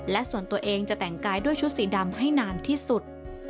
และส่วนตัวเองจะแต่งกายด้วยชุดสีดำให้นานที่สุด